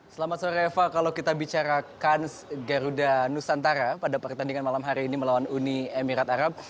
selamat sore eva kalau kita bicara kans garuda nusantara pada pertandingan malam hari ini melawan uni emirat arab